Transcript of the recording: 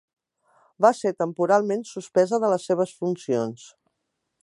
Va ser temporalment suspesa de les seves funcions.